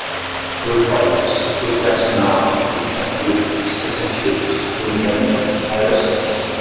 eufóricos, recreacional, psiquiatria, dissociativos, delirantes, aerossóis